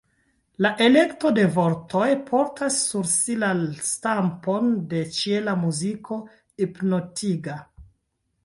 La elekto de vortoj portas sur si la stampon de ĉiela muziko, hipnotigas.